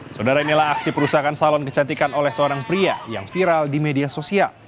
saudara inilah aksi perusahaan salon kecantikan oleh seorang pria yang viral di media sosial